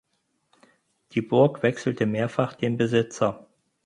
Die Burg wechselte mehrfach den Besitzer.